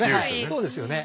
そうですよね。